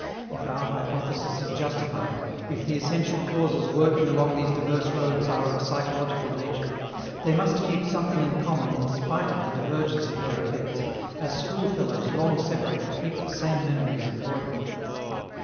If our hypothesis is justified, if the essential causes working along these diverse roads are of psychological nature, they must keep something in common in spite of the divergence of their effects, as school fellows long separated keep the same memories of boyhood.